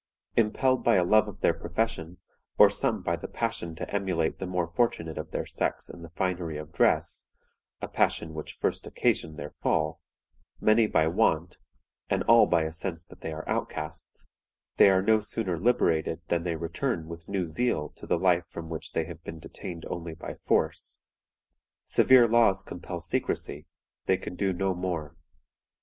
Impelled by a love of their profession, or some by the passion to emulate the more fortunate of their sex in the finery of dress (a passion which first occasioned their fall), many by want, and all by a sense that they are outcasts, they are no sooner liberated than they return with new zeal to the life from which they have been detained only by force. Severe laws compel secrecy; they can do no more.